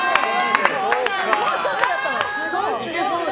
もうちょっとだったのに！